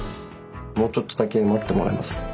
もうちょっとだけ待ってもらえます？